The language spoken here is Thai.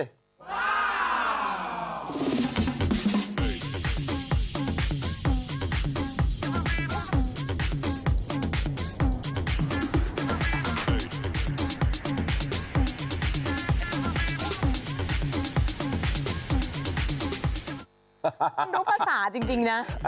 รู้ภาษาจริงนะ